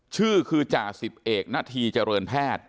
ชื่อคือจสิบเอกหน้าที่เจริญแพทย์